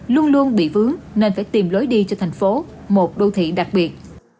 luôn luôn bị vướng nên phải tìm lối đi cho thành phố một đô thị đặc biệt